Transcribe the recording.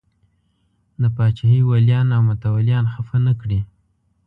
د پاچاهۍ ولیان او متولیان خفه نه کړي.